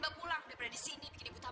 kok mau bayar hutang